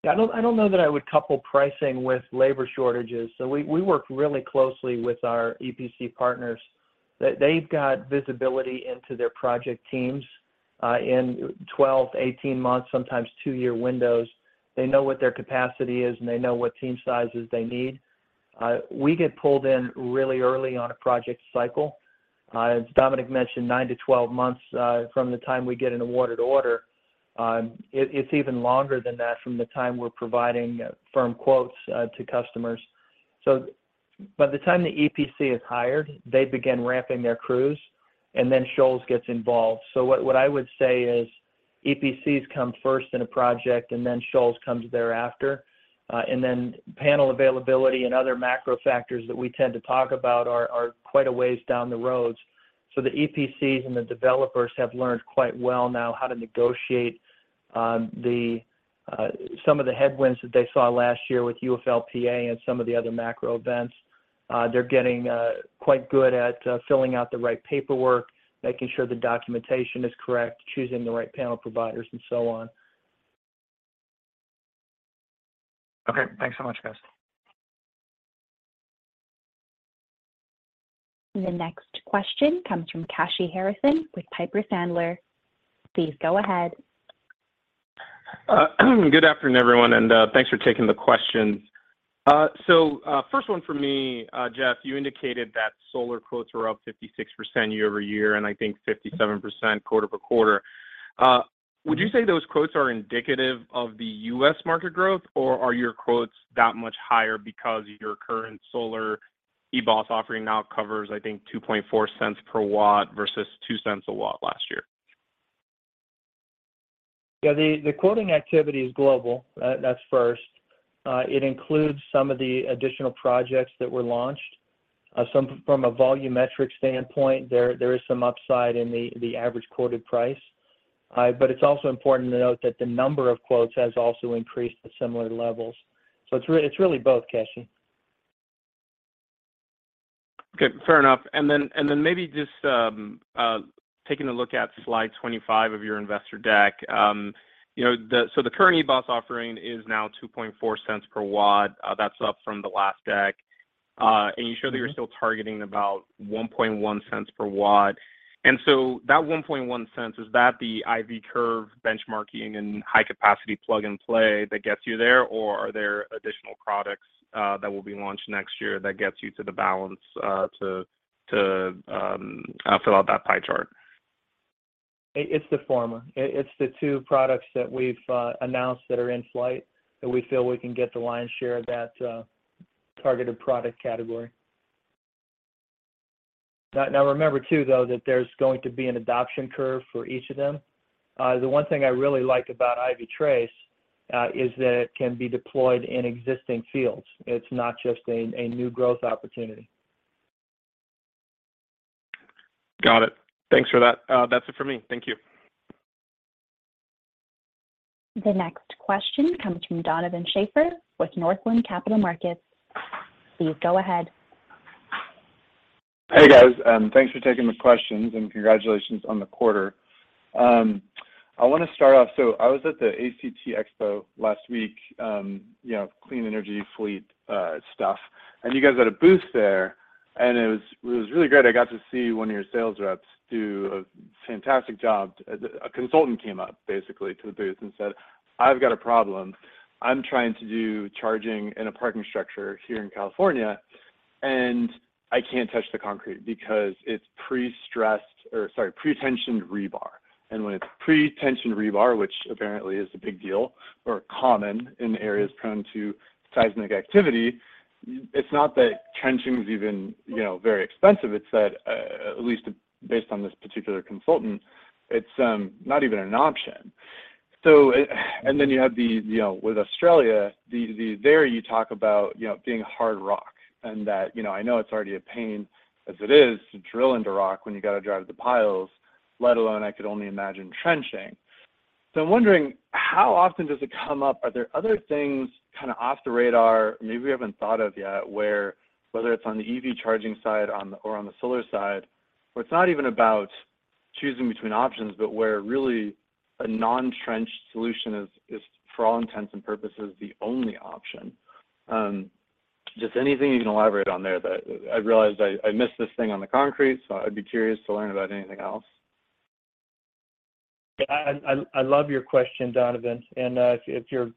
I don't know that I would couple pricing with labor shortages. We work really closely with our EPC partners that they've got visibility into their project teams, in 12 to 18 months, sometimes 2-year windows. They know what their capacity is, and they know what team sizes they need. We get pulled in really early on a project cycle. As Dominic mentioned, 9 to 12 months, from the time we get an awarded order. It's even longer than that from the time we're providing firm quotes, to customers. By the time the EPC is hired, they begin ramping their crews, and then Shoals gets involved. What I would say is EPCs come first in a project, and then Shoals comes thereafter. Panel availability and other macro factors that we tend to talk about are quite a ways down the road. The EPCs and the developers have learned quite well now how to negotiate the some of the headwinds that they saw last year with UFLPA and some of the other macro events. They're getting quite good at filling out the right paperwork, making sure the documentation is correct, choosing the right panel providers and so on. Okay. Thanks so much, guys. The next question comes from Kashy Harrison with Piper Sandler. Please go ahead. Good afternoon, everyone, thanks for taking the questions. First one for me, Jeff, you indicated that solar quotes were up 56% year-over-year, and I think 57% quarter-over-quarter. Would you say those quotes are indicative of the U.S. market growth, or are your quotes that much higher because your current solar EBOS offering now covers, I think, $0.024 per watt versus $0.02 per watt last year? Yeah, the quoting activity is global. That's first. It includes some of the additional projects that were launched. Some from a volumetric standpoint, there is some upside in the average quoted price. It's also important to note that the number of quotes has also increased to similar levels. It's really both, Kashy. Okay. Fair enough. Maybe just taking a look at slide 25 of your investor deck. You know, the current EBOS offering is now $0.024 per watt, that's up from the last deck. You show that you're still targeting about $0.011 per watt. That $0.011, is that the IV curve benchmarking and high capacity plug and play that gets you there, or are there additional products that will be launched next year that gets you to the balance to fill out that pie chart? It's the former. It's the two products that we've announced that are in flight that we feel we can get the lion's share of that targeted product category. Now remember too, though, that there's going to be an adoption curve for each of them. The one thing I really like about EasyTrace is that it can be deployed in existing fields. It's not just a new growth opportunity. Got it. Thanks for that. That's it for me. Thank you. The next question comes from Donovan Schafer with Northland Capital Markets. Please go ahead. Hey, guys. Thanks for taking the questions, and congratulations on the quarter. I wanna start off. I was at the ACT Expo last week, you know, clean energy fleet stuff. You guys had a booth there, it was really great. I got to see 1 of your sales reps do a fantastic job. A consultant came up basically to the booth and said, "I've got a problem. I'm trying to do charging in a parking structure here in California, and I can't touch the concrete because it's pre-stressed..." Sorry, "pre-tensioned rebar." When it's pre-tensioned rebar, which apparently is a big deal or common in areas prone to seismic activity, it's not that trenching is even, you know, very expensive. It's that, at least based on this particular consultant, it's not even an option. You have the, you know, with Australia, the there you talk about, you know, being hard rock and that, you know, I know it's already a pain as it is to drill into rock when you gotta drive the piles, let alone I could only imagine trenching. I'm wondering, how often does it come up? Are there other things kinda off the radar maybe we haven't thought of yet where whether it's on the EV charging side or on the solar side, where it's not even about choosing between options, but where really a non-trench solution is for all intents and purposes the only option? Just anything you can elaborate on there that I realized I missed this thing on the concrete, so I'd be curious to learn about anything else. I love your question, Donovan. If you're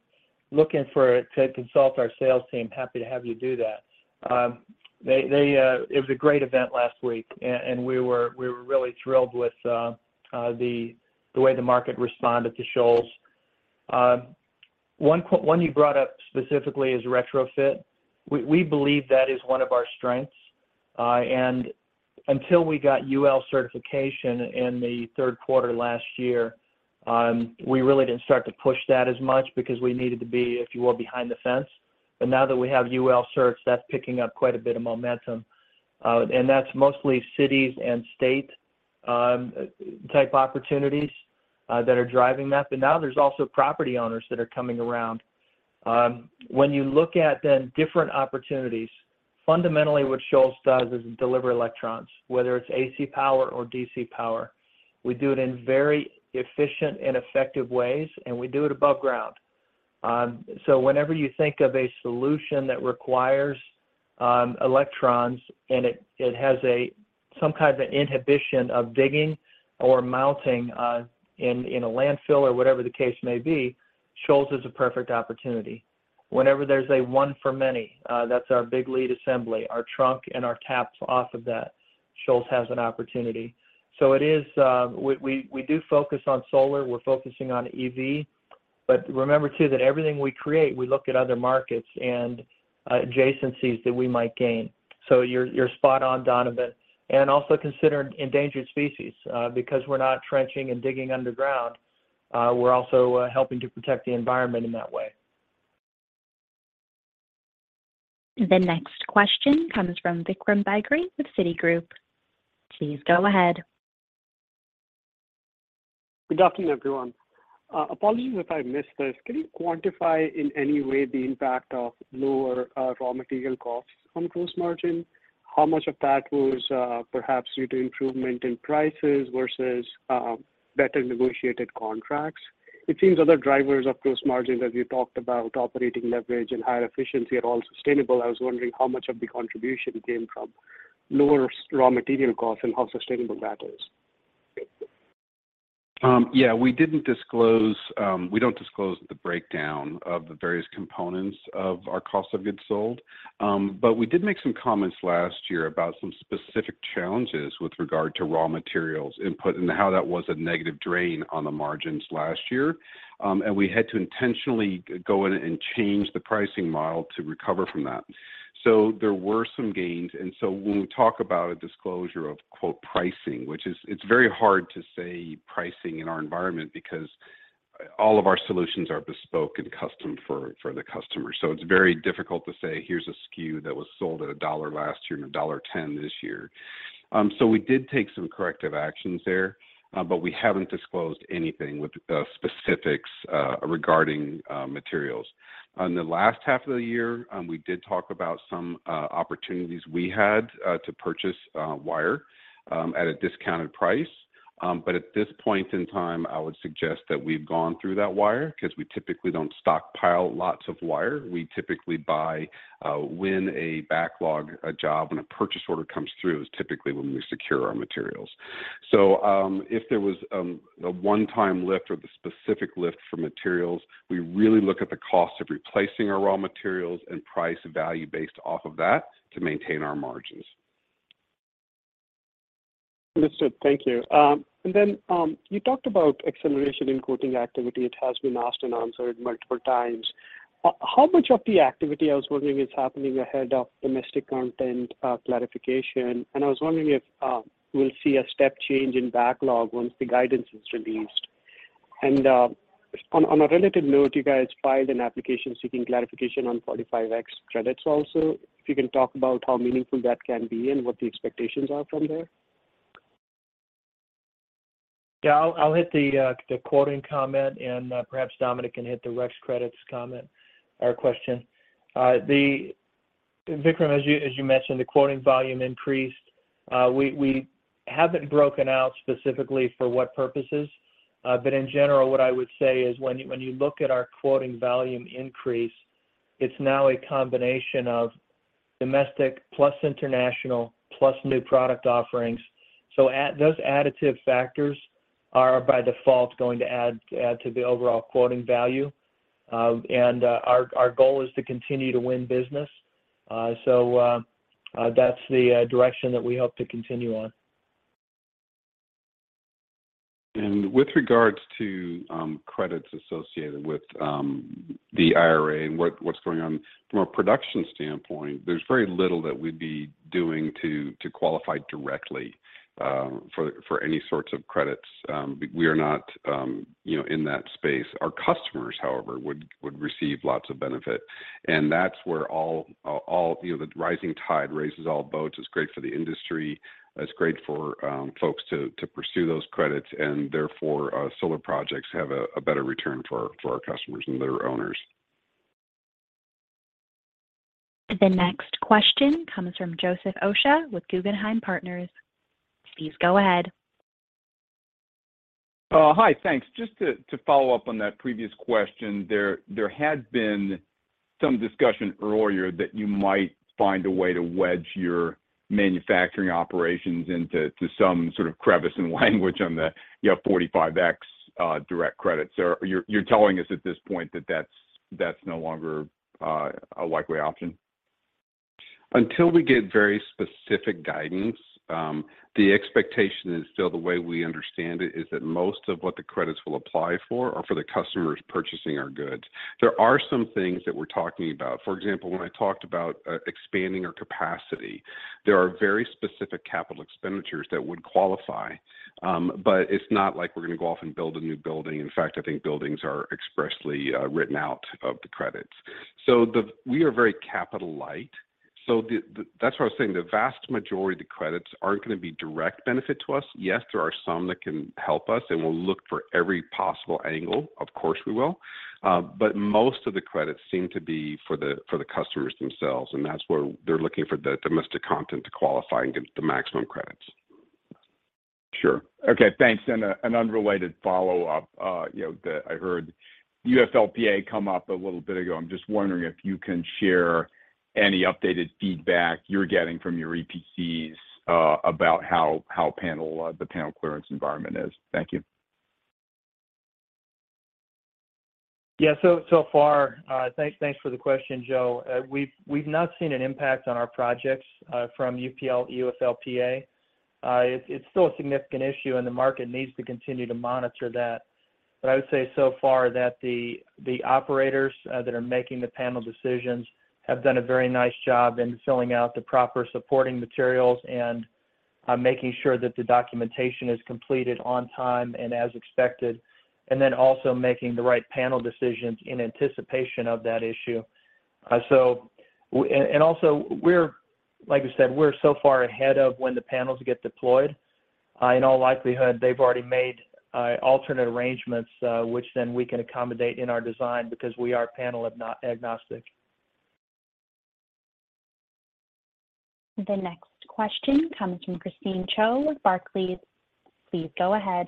looking to consult our sales team, happy to have you do that. It was a great event last week, and we were really thrilled with the way the market responded to Shoals. One you brought up specifically is retrofit. We believe that is one of our strengths. Until we got UL certification in the 3rd quarter last year, we really didn't start to push that as much because we needed to be, if you will, behind the fence. Now that we have UL certs, that's picking up quite a bit of momentum. That's mostly cities and state type opportunities that are driving that. Now there's also property owners that are coming around. When you look at different opportunities, fundamentally what Shoals does is deliver electrons, whether it's AC power or DC power. We do it in very efficient and effective ways, and we do it above ground. Whenever you think of a solution that requires electrons and has some type of inhibition of digging or mounting in a landfill or whatever the case may be, Shoals is a perfect opportunity. Whenever there's a one for many, that's our Big Lead Assembly. Our trunk and our taps off of that, Shoals has an opportunity. It is, We do focus on solar. We're focusing on EV. Remember too that everything we create, we look at other markets and adjacencies that we might gain. You're spot on, Donovan. Also consider endangered species. Because we're not trenching and digging underground, we're also, helping to protect the environment in that way. The next question comes from Vikram Bagri with Citigroup. Please go ahead. Good afternoon, everyone. Apologies if I missed this. Can you quantify in any way the impact of lower raw material costs on gross margin? How much of that was perhaps due to improvement in prices versus better negotiated contracts? It seems other drivers of gross margins, as you talked about, operating leverage and higher efficiency are all sustainable. I was wondering how much of the contribution came from lower raw material costs and how sustainable that is. Yeah, we didn't disclose, we don't disclose the breakdown of the various components of our cost of goods sold. We did make some comments last year about some specific challenges with regard to raw materials input and how that was a negative drain on the margins last year. We had to intentionally go in and change the pricing model to recover from that. There were some gains. When we talk about a disclosure of, quote, "pricing," which is, it's very hard to say pricing in our environment because all of our solutions are bespoke and custom for the customer. It's very difficult to say, "Here's a SKU that was sold at $1 last year and $1.10 this year." We did take some corrective actions there, but we haven't disclosed anything with specifics regarding materials. On the last half of the year, we did talk about some opportunities we had to purchase wire at a discounted price. At this point in time, I would suggest that we've gone through that wire because we typically don't stockpile lots of wire. We typically buy when a backlog, a job, when a purchase order comes through is typically when we secure our materials. If there was a 1-time lift or the specific lift for materials, we really look at the cost of replacing our raw materials and price value based off of that to maintain our margins. Understood. Thank you. Then, you talked about acceleration in quoting activity. It has been asked and answered multiple times. How much of the activity, I was wondering, is happening ahead of domestic content, clarification? I was wondering if we'll see a step change in backlog once the guidance is released. On a related note, you guys filed an application seeking clarification on 45X credits also. If you can talk about how meaningful that can be and what the expectations are from there. Yeah. I'll hit the quoting comment and perhaps Dominic can hit the REXI credits comment or question. Vikram, as you mentioned, the quoting volume increased. We have it broken out specifically for what purposes. In general, what I would say is when you look at our quoting volume increase, it's now a combination of domestic plus international plus new product offerings. Those additive factors are by default going to add to the overall quoting value. Our goal is to continue to win business. That's the direction that we hope to continue on. With regards to credits associated with the IRA and what's going on from a production standpoint, there's very little that we'd be doing to qualify directly for any sorts of credits. We are not, you know, in that space. Our customers, however, would receive lots of benefit, and that's where all, you know, the rising tide raises all boats. It's great for the industry. It's great for folks to pursue those credits and therefore, solar projects have a better return for our customers and their owners. The next question comes from Joseph Osha with Guggenheim Securities. Please go ahead. Hi. Thanks. Just to follow up on that previous question. There had been some discussion earlier that you might find a way to wedge your manufacturing operations into some sort of crevice in language on the, you know, 45X direct credits. You're telling us at this point that that's no longer a likely option? Until we get very specific guidance, the expectation is still the way we understand it, is that most of what the credits will apply for are for the customers purchasing our goods. There are some things that we're talking about. For example, when I talked about expanding our capacity, there are very specific capital expenditures that would qualify. It's not like we're gonna go off and build a new building. In fact, I think buildings are expressly written out of the credits. We are very capital light, that's why I was saying the vast majority of the credits aren't gonna be direct benefit to us. Yes, there are some that can help us, and we'll look for every possible angle, of course we will. Most of the credits seem to be for the, for the customers themselves, and that's where they're looking for the domestic content to qualify and get the maximum credits. Sure. Okay, thanks. A, an unrelated follow-up, you know, I heard UFLPA come up a little bit ago. I'm just wondering if you can share any updated feedback you're getting from your EPCs, about how panel, the panel clearance environment is. Thank you. So far, thanks for the question, Joe. We've not seen an impact on our projects from UFLPA. It's still a significant issue and the market needs to continue to monitor that. I would say so far that the operators that are making the panel decisions have done a very nice job in filling out the proper supporting materials and making sure that the documentation is completed on time and as expected, and then also making the right panel decisions in anticipation of that issue. Also we're, like I said, we're so far ahead of when the panels get deployed, in all likelihood, they've already made alternate arrangements, which then we can accommodate in our design because we are panel agnostic. The next question comes from Christine Cho with Barclays. Please go ahead.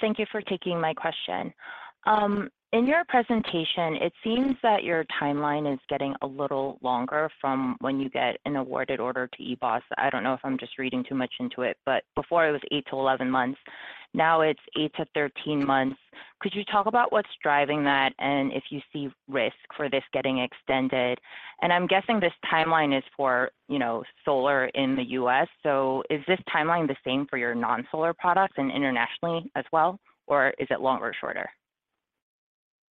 Thank you for taking my question. In your presentation, it seems that your timeline is getting a little longer from when you get an awarded order to EBOS. I don't know if I'm just reading too much into it, but before it was 8-11 months, now it's 8-13 months. Could you talk about what's driving that, and if you see risk for this getting extended? I'm guessing this timeline is for, you know, solar in the US, so is this timeline the same for your non-solar products and internationally as well, or is it longer or shorter?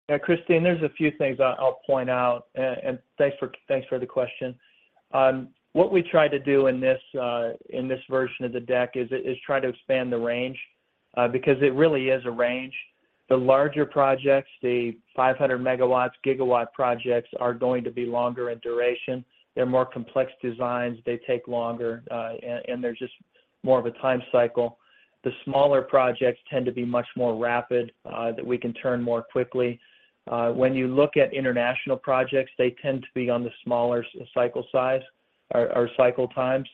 Yeah, Christine, there's a few things I'll point out, thanks for the question. What we try to do in this, in this version of the deck is try to expand the range, because it really is a range. The larger projects, the 500 megawatts, gigawatt projects are going to be longer in duration. They're more complex designs. They take longer, and they're just more of a time cycle. The smaller projects tend to be much more rapid, that we can turn more quickly. When you look at international projects, they tend to be on the smaller cycle size or cycle times.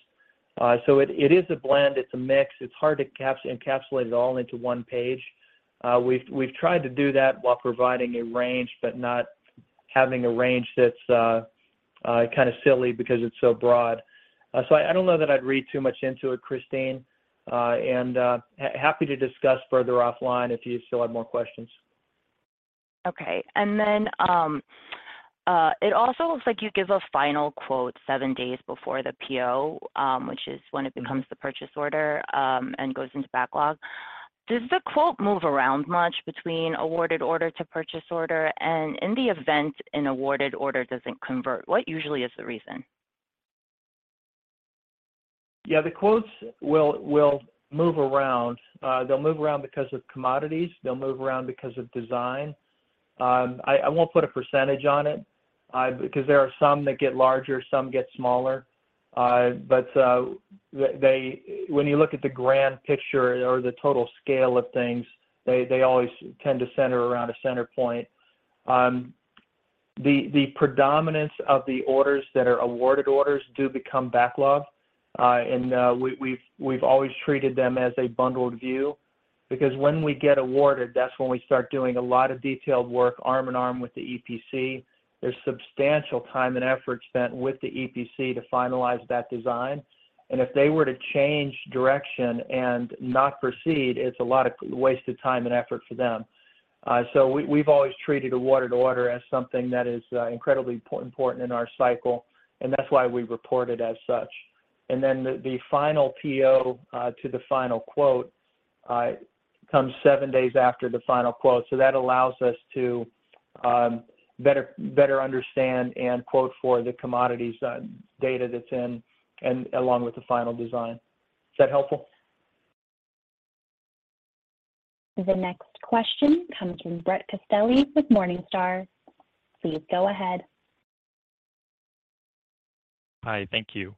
It is a blend, it's a mix. It's hard to encapsulate it all into 1 page. we've tried to do that while providing a range but not having a range that's kind of silly because it's so broad. I don't know that I'd read too much into it, Christine. happy to discuss further offline if you still have more questions. Okay. Then, it also looks like you give a final quote seven days before the PO, which is when it becomes the purchase order, and goes into backlog. Does the quote move around much between awarded order to purchase order? In the event an awarded order doesn't convert, what usually is the reason? Yeah, the quotes will move around. They'll move around because of commodities. They'll move around because of design. I won't put a percentage on it because there are some that get larger, some get smaller. But when you look at the grand picture or the total scale of things, they always tend to center around a center point. The predominance of the orders that are awarded orders do become backlog. We've always treated them as a bundled view, because when we get awarded, that's when we start doing a lot of detailed work arm in arm with the EPC. There's substantial time and effort spent with the EPC to finalize that design. If they were to change direction and not proceed, it's a lot of wasted time and effort for them. We've always treated awarded order as something that is incredibly important in our cycle, and that's why we report it as such. The final PO to the final quote comes 7 days after the final quote. That allows us to better understand and quote for the commodities data that's in and along with the final design. Is that helpful? The next question comes from Brett Castelli with Morningstar. Please go ahead. Hi. Thank you.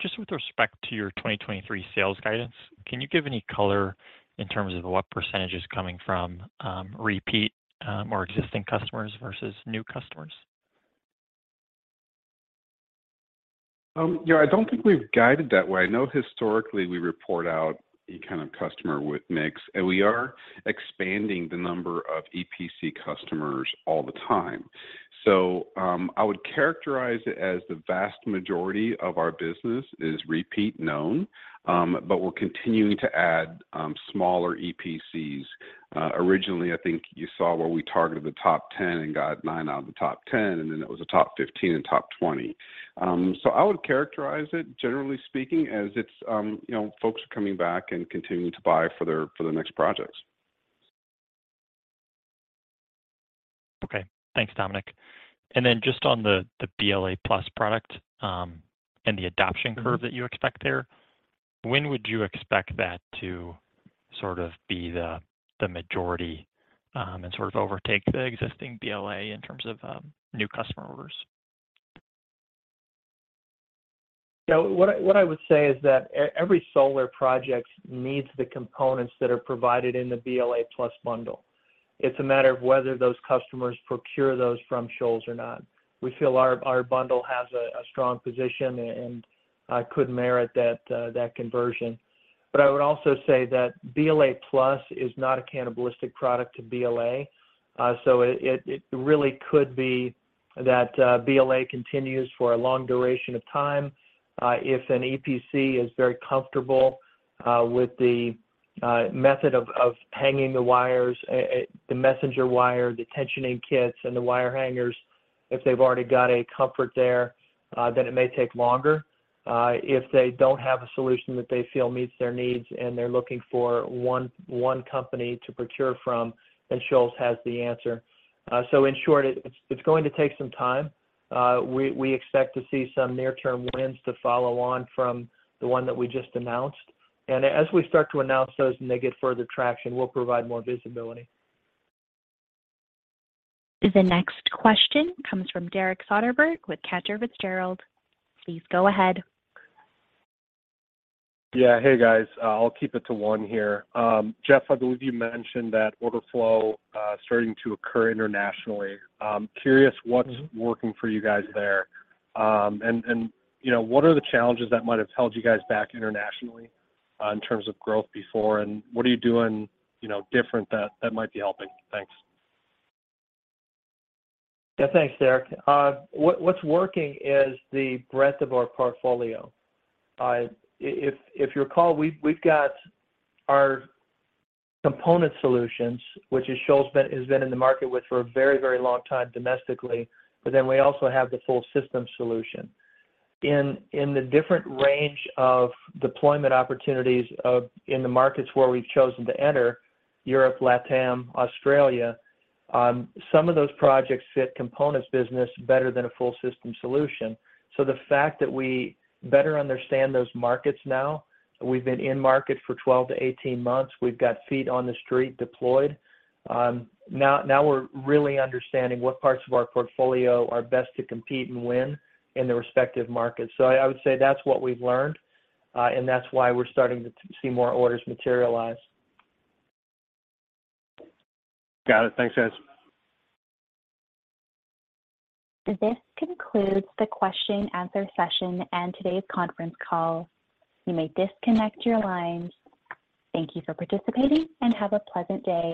Just with respect to your 2023 sales guidance, can you give any color in terms of what percentage is coming from repeat or existing customers versus new customers? Yeah, I don't think we've guided that way. I know historically we report out any kind of customer with mix, and we are expanding the number of EPC customers all the time. I would characterize it as the vast majority of our business is repeat known, but we're continuing to add, smaller EPCs. Originally, I think you saw where we targeted the top 10 and got 9 out of the top 10, and then it was a top 15 and top 20. I would characterize it, generally speaking, as it's, you know, folks coming back and continuing to buy for their next projects. Okay. Thanks, Dominic. Just on the BLA+ product, and the adoption curve that you expect there, when would you expect that to sort of be the majority, and sort of overtake the existing BLA in terms of, new customer orders? You know, what I would say is that every solar project needs the components that are provided in the BLA+ bundle. It's a matter of whether those customers procure those from Shoals or not. We feel our bundle has a strong position and could merit that conversion. I would also say that BLA+ is not a cannibalistic product to BLA. It really could be that BLA continues for a long duration of time. If an EPC is very comfortable with the method of hanging the wires, the messenger wire, the tensioning kits, and the wire hangers, if they've already got a comfort there, then it may take longer. If they don't have a solution that they feel meets their needs and they're looking for one company to procure from, then Shoals has the answer. In short, it's going to take some time. We expect to see some near-term wins to follow on from the one that we just announced. As we start to announce those and they get further traction, we'll provide more visibility. The next question comes from Derek Soderberg with Cantor Fitzgerald. Please go ahead. Yeah. Hey, guys. I'll keep it to one here. Jeff, I believe you mentioned that order flow, starting to occur internationally. Curious what's working for you guys there. You know, what are the challenges that might have held you guys back internationally, in terms of growth before? What are you doing, you know, different that might be helping? Thanks. Yeah. Thanks, Derek. What's working is the breadth of our portfolio. If you recall, we've got our component solutions, which Shoals has been in the market with for a very long time domestically. We also have the full system solution. In the different range of deployment opportunities in the markets where we've chosen to enter, Europe, LatAm, Australia, some of those projects fit components business better than a full system solution. The fact that we better understand those markets now, we've been in market for 12 to 18 months. We've got feet on the street deployed. Now we're really understanding what parts of our portfolio are best to compete and win in the respective markets. I would say that's what we've learned, and that's why we're starting to see more orders materialize. Got it. Thanks, guys. This concludes the question and answer session and today's conference call. You may disconnect your lines. Thank you for participating, and have a pleasant day.